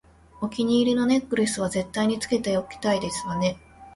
お気に入りのネックレスは絶対につけていきたいですわね